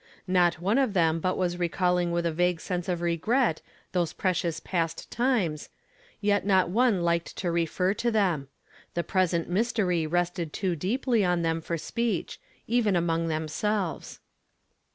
Not one of them but was recalling with a vague sense of regret those precious past times, yet not one Iked to refer to them ; the present mystery rested too deeply on them for speech, even among them .selves.